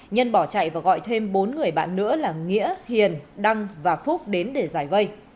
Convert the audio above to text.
nhân bỏ chạy và gọi thêm bốn người bạn nữa là nghĩa hiền đăng và phúc đến để giải vây